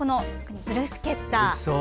ブルスケッタ。